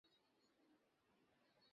আমি পড়াশোনা করতে চাই না।